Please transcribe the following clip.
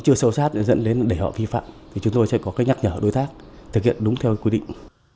nó chưa sâu sát để dẫn đến để họ vi phạm thì chúng tôi sẽ có cách nhắc nhở đối tác thực hiện đúng theo quy định